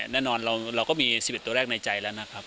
แน่นอนเราก็มี๑๑ตัวแรกในใจแล้วนะครับ